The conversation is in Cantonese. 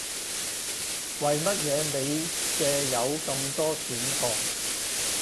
為乜嘢你嘅有咁多選項